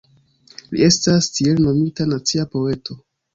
Li estas tiele nomita "nacia poeto".